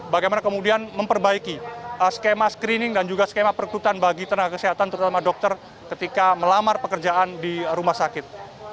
bagaimana kemudian memperbaiki skema screening dan juga skema perkutan bagi tenaga kesehatan terutama dokter ketika melamar pekerjaan di rumah sakit